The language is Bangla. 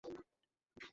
নাও, তৈরি?